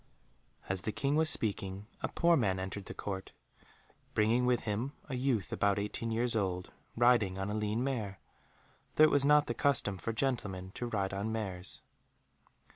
As the King was speaking, a poor man entered the Court, bringing with him a youth about eighteen years old, riding on a lean mare, though it was not the custom for gentlemen to ride on mares.